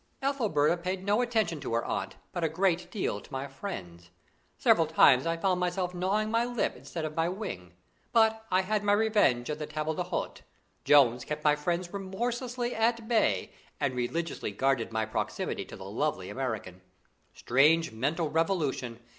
Ethelberta paid no attention to her aunt, but a great deal to my friends. Several times I found myself gnawing my lip instead of my wing. But I had my revenge at the table d'hôte. Jones kept my friends remorselessly at bay, and religiously guarded my proximity to the lovely American. Strange mental revolution!